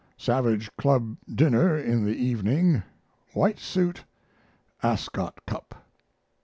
Savage Club dinner in the evening. White suit. Ascot Cup.